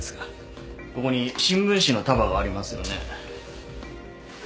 ここに新聞紙の束がありますよね。